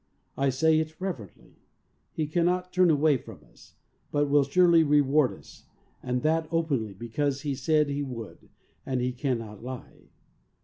I say it reverently. He cannot turn away from us, but will surely reward us, and that openly, be cause He said He would, and He cannot lie.